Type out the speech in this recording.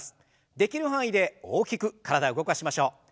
できる範囲で大きく体を動かしましょう。